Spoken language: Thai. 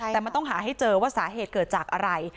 แต่มันต้องหาให้เจอว่าสาเหตุเกิดจากอะไร